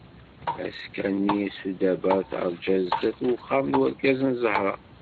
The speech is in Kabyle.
Azekka-nni sudaba terǧa sdat n uxxam n urgaz n Zahra.